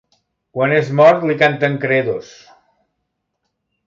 Quan és mort li canten credos.